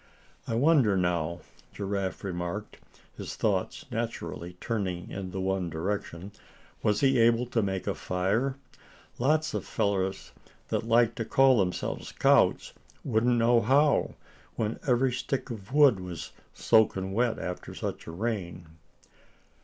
"I wonder, now," Giraffe remarked, his thoughts naturally turning in the one direction, "was he able to make a fire? Lots of fellers that like to call themselves scouts wouldn't know how, when every stick of wood was soaking wet after such a rain."